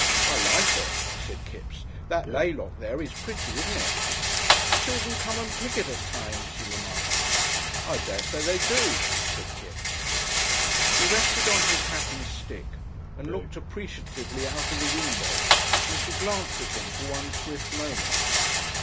"I like it," said Kipps. "That laylock there is pretty, isn't it?" "Children come and pick it at times," she remarked. "I dessay they do," said Kipps. He rested on his hat and stick and looked appreciatively out of the window, and she glanced at him for one swift moment.